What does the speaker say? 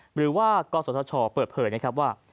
หรือว่ากศธชเปิดเผยนะครับว่า